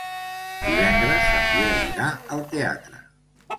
Divendres en Biel irà al teatre.